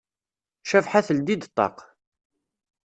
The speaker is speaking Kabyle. Cabḥa teldi-d ṭṭaq.